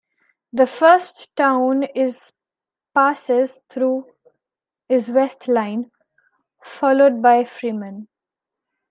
The first town is passes through is West Line, followed by Freeman.